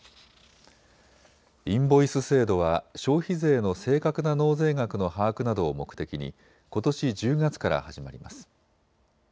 インボイス制度は消費税の正確な納税額の把握などを目的にことし１０月から始まります。